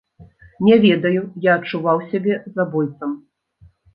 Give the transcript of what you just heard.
Не ведаю, я адчуваў сябе забойцам.